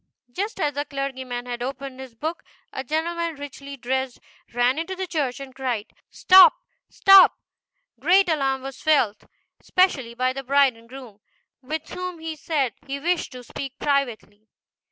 Just as the clergyman had opened his book, a gentleman, richly dressed, ran into the church and cried, " Stop ! stop I" Great alarm was felt, especially by the bride and groom, with whom he said he wished to speak privately.